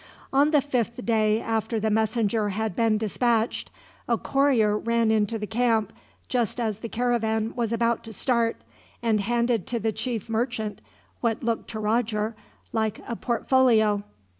On the fifth day after the messenger had been dispatched, a courier ran into the camp, just as the caravan was about to start, and handed to the chief merchant what looked to Roger like a portfolio.